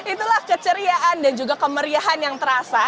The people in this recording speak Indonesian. itulah keceriaan dan juga kemeriahan yang terasa